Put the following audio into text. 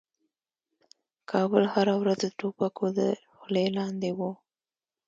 کابل هره ورځ د توپکو تر خولې لاندې و.